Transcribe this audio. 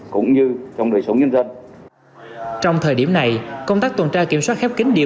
cũng như trong đời sống nhân dân trong thời điểm này công tác tuần tra kiểm soát khép kính địa